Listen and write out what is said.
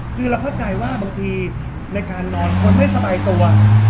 คือเราเข้าใจว่าบางทีในการนอนคนไม่สบายตัว